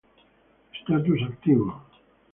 Estatus: Activo.